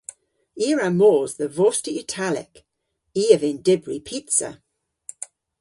I a wra mos dhe vosti italek. I a vynn dybri pizza.